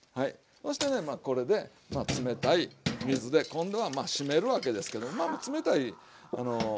そしてねまあこれで冷たい水で今度はまあ締めるわけですけどまあ冷たいあの。